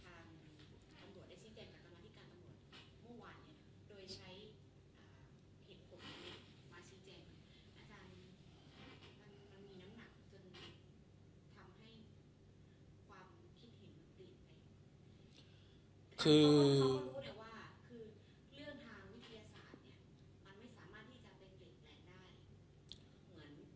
เขารู้ได้ว่าคือเรื่องทางวิทยาศาสตร์